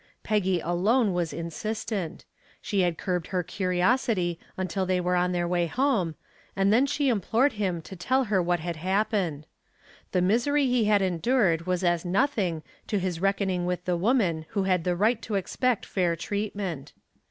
Peggy alone was insistent; she had curbed her curiosity until they were on the way home, and then she implored him to tell her what had happened. The misery he had endured was as nothing to his reckoning with the woman who had the right to expect fair treatment.